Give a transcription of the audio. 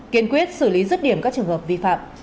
kiên quyết xử lý rứt điểm các trường hợp vi phạm